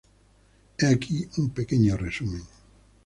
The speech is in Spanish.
He aquí un pequeño resumen.